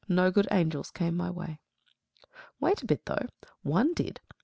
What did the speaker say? No good angels came my way. Wait a bit, though! One did.